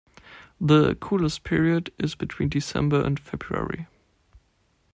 The coolest period is between December and February.